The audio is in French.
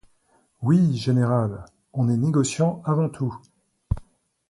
Oui, général, on est négociant avant tout.